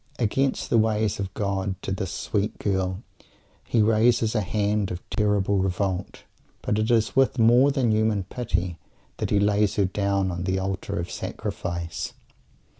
Against the ways of God to this sweet girl he raises a hand of terrible revolt, but it is with more than human "pity" that he lays her down on the Altar of Sacrifice.